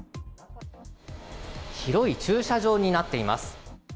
広い駐車場になっています。